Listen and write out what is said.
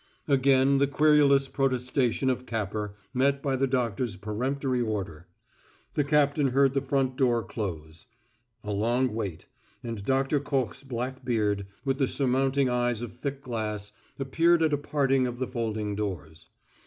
Again the querulous protestation of Capper, met by the doctor's peremptory order. The captain heard the front door close. A long wait, and Doctor Koch's black beard, with the surmounting eyes of thick glass, appeared at a parting of the folding doors.